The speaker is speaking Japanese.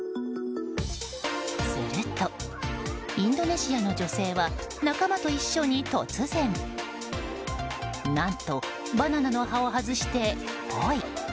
するとインドネシアの女性は仲間と一緒に突然何と、バナナの葉を外してポイ。